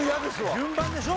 順番でしょ？